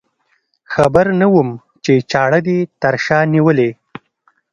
خبر نه وم چې چاړه دې تر شا نیولې.